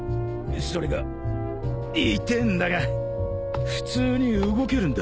それが痛えんだが普通に動けるんだ。